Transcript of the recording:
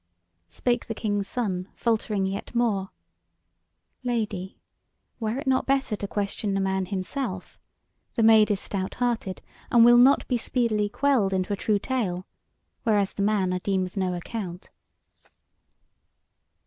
Spake the King's Son, faltering yet more: "Lady, were it not better to question the man himself? the Maid is stout hearted, and will not be speedily quelled into a true tale; whereas the man I deem of no account."